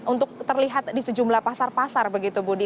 untuk terlihat di sejumlah pasar pasar begitu budi